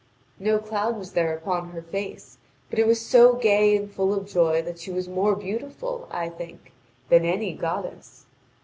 No cloud was there upon her face, but it was so gay and full of joy that she was more beautiful, I think, than any goddess.